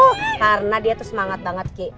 oh karena dia tuh semangat banget kek